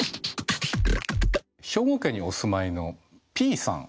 兵庫県にお住まいのＰさん。